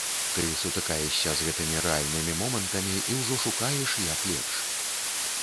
Ты сутыкаешся з гэтымі рэальнымі момантамі, і ўжо шукаеш, як лепш.